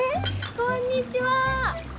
こんにちは！